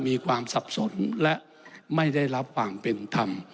มีความสับสนและไม่ได้รับความเป็นธรรม